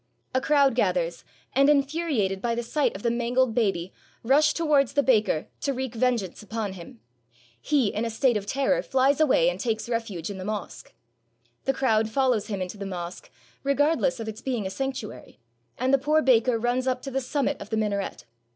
A crowd gathers, and infuriated by the sight of the mangled baby, rushed towards the baker to wreak venge ance upon him. He, in a state of terror, flies away and takes refuge in the mosque. The crowd follows him into the mosque, regardless of its being a sanctuary, and the poor baker runs up to the summit of the minaret.